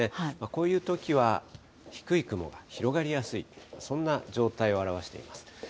こういうときは、低い雲が広がりやすい、そんな状態を表しています。